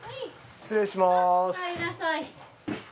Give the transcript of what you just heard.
失礼します。